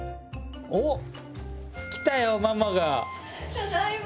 ただいま。